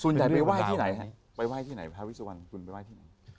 ไปไหว้ที่ไหนฮะไปไห้ที่ไหนพระวิสุวรรณคุณไปไห้ที่ไหน